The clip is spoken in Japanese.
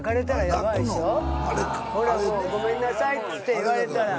「ごめんなさい」って言われたら。